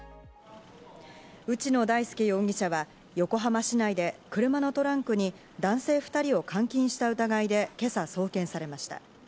内野大輔容疑者は横浜市内で車のトランクに男性２人を監禁した疑いで今朝送検されました。